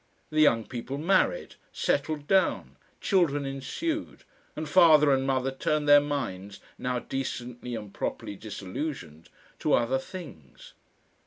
The young people married, settled down, children ensued, and father and mother turned their minds, now decently and properly disillusioned, to other things.